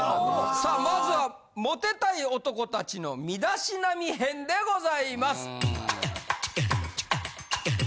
さあまずはモテたい男達の身だしなみ編でございます。